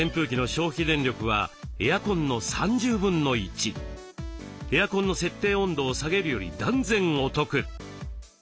ちなみにエアコンの設定温度を下げるより断然お得。